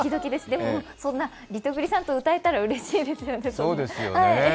でも、そんなリトグリさんと歌えたらうれしいですよね。